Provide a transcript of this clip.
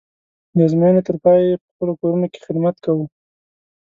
د ازموینې تر پایه یې په خپلو کورونو کې خدمت کوو.